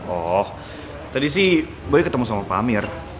oh tadi sih boy ketemu sama pamir